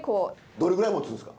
どれぐらいもつんですか？